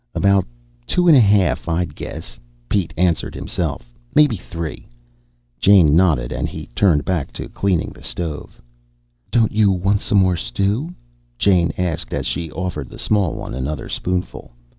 "About two and a half, I'd guess," Pete answered himself. "Maybe three." Jane nodded and he turned back to cleaning the stove. "Don't you want some more stew?" Jane asked as she offered the small one another spoonful.